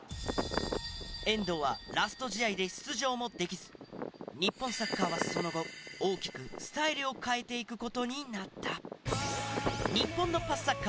遠藤はラスト試合で出場もできず日本サッカーはその後大きくスタイルを変えていく事になった。